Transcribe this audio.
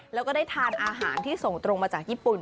แล้วก็ได้ทานอาหารที่ส่งตรงมาจากญี่ปุ่น